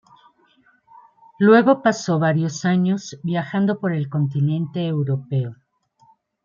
Luego pasó varios años viajando por el continente europeo.